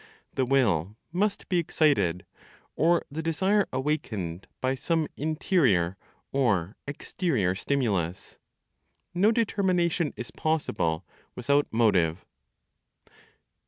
The will must be excited, or the desire awakened by some interior or exterior stimulus. No determination (is possible) without motive.